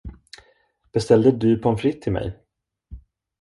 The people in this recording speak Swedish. Beställde du pommes frites till mig?